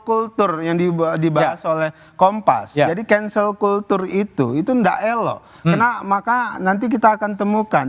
kultur yang dibahas oleh kompas jadi cancel kultur itu itu enggak elok maka nanti kita akan temukan